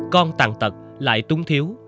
con tàn tật lại tung thiếu